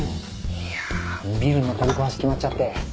いやビルの取り壊し決まっちゃって。